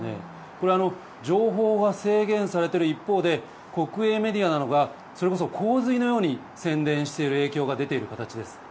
これは情報が制限されている一方で国営メディアなどがそれこそ洪水のように宣伝している形が出ている影響です。